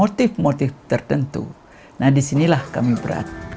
dan ada motif motif tertentu disinilah kami berat